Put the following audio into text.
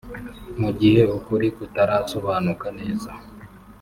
Mu gihe ukuri kutarasobanuka neza